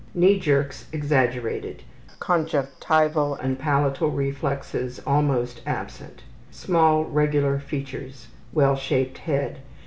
Knee jerks exaggerated. Conjunctival and palatal reflexes almost absent. Small regular features. Well shaped head.